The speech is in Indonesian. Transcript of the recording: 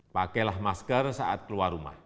pakailah masker saat keluar rumah